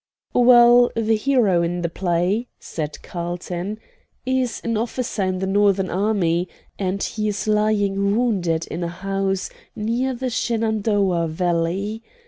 "Well, the hero in the play," said Carlton, "is an officer in the Northern army, and he is lying wounded in a house near the Shenandoah Valley.